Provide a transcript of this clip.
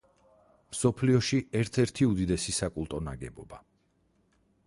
მსოფლიოში ერთ-ერთი უდიდესი საკულტო ნაგებობა.